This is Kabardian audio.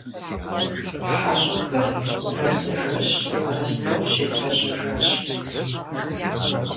Хьэщӏэхэр вэсэжэщ Ростов щедгъэжьэжащ.